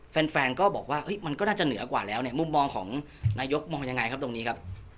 แฟนก็บอกว่ามันก็น่าจะเหนือกว่าแล้วเนี่ยมุมมองของนายกมองยังไงครับตรงนี้ครับ